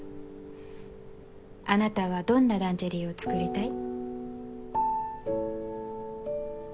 あなたはどんなランジェリーを作りたい？